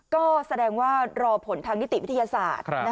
ก็แสดงว่ารอผลทางนิติวิทยาศาสตร์